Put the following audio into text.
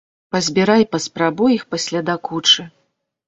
Пазбірай паспрабуй іх пасля да кучы.